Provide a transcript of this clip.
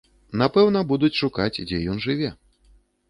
Напэўна, будуць шукаць, дзе ён жыве.